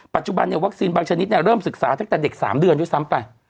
ปัจจุบันวัคซีนบางชนิดเริ่มศึกษาตั้งแต่เด็ก๓เดือนด้วยซ้ำไป